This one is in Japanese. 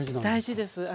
大事です。